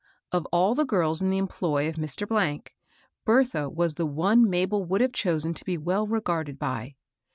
Of all the girls in the employ of Mr. , Bertha was the one Mabel would have chosen to be well regarded by.